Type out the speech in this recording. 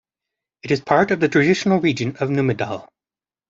It is part of the traditional region of Numedal.